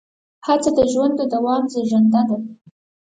هڅه د ژوند د دوام زېږنده ده.